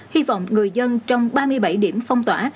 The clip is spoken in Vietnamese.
hy vọng người dân trong ba mươi bảy điểm phong tỏa